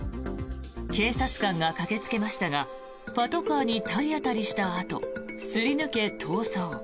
警察官が駆けつけましたがパトカーに体当たりしたあとすり抜け、逃走。